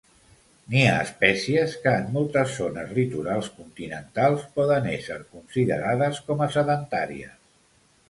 N'hi ha espècies que, en moltes zones litorals continentals, poden ésser considerades com a sedentàries.